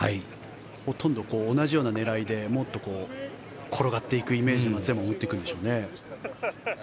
ほとんど同じような狙いで転がっていくイメージで松山も打っていくんでしょうね。